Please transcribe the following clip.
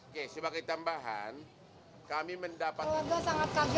keluarga sangat kaget mengengarnya ya